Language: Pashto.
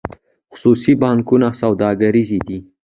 خصوصي بانکونه سوداګریز دي